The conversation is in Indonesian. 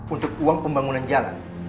untuk uang pembangunan jalan